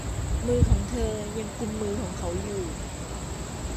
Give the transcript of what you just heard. มือของเธอยังกุมมือของเขาอยู่